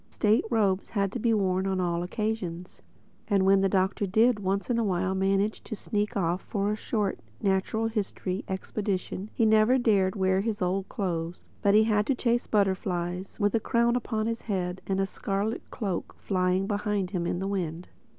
State robes had to be worn on all occasions. And when the Doctor did once in a while manage to sneak off for a short, natural history expedition he never dared to wear his old clothes, but had to chase his butterflies with a crown upon his head and a scarlet cloak flying behind him in the wind.